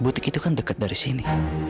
butik itu kan dekat dari sini